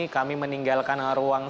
kami meninggalkan ruang